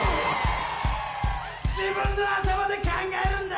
自分の頭で考えるんだ。